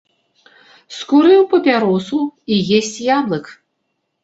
Скурыў папяросу і есць яблык.